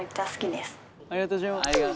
ありがとうございます。